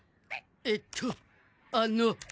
えっとあの。